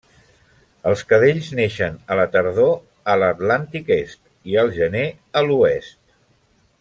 Els cadells neixen a la tardor a l'Atlàntic est i al gener a l'oest.